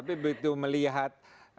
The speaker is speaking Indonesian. tapi begitu melihat